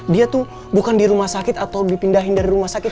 dia tuh bukan di rumah sakit atau dipindahin dari rumah sakit